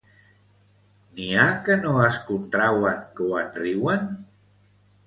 N'hi ha que no es contrauen quan riuen?